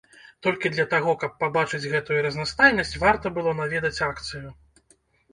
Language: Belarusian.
Толькі для таго, каб пабачыць гэтую разнастайнасць, варта было наведаць акцыю.